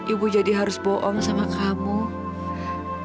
ibu jadi harus bohong sama kamu